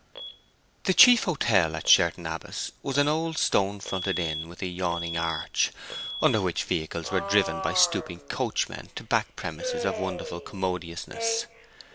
The chief hotel at Sherton Abbas was an old stone fronted inn with a yawning arch, under which vehicles were driven by stooping coachmen to back premises of wonderful commodiousness.